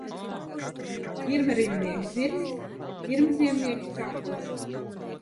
Pirmrindnieks zirnis. Pirmziemnieks kāposts.